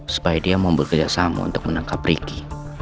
supaya dia mau bekerjasama untuk menangkap ricky